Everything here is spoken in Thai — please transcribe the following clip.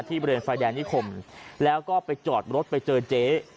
บริเวณไฟแดงนิคมแล้วก็ไปจอดรถไปเจอเจ๊